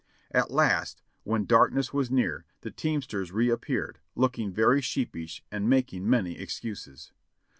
At last, when darkness was near, the teamsters reappeared, looking very sheepish and making many excuses.